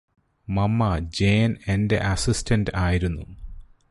മമ്മാ Jane എന്റെ assistant ആയിരുന്നു